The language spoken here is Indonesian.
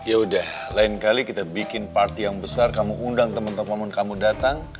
ya udah lain kali kita bikin party yang besar kamu undang teman teman kamu datang